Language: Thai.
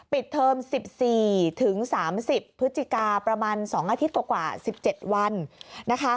เทอม๑๔ถึง๓๐พฤศจิกาประมาณ๒อาทิตย์กว่า๑๗วันนะคะ